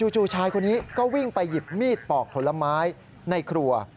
ชายคนนี้ก็วิ่งไปหยิบมีดปอกผลไม้ในครัว